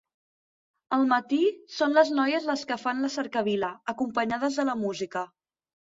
Al matí, són les noies les que fan la cercavila, acompanyades de la música.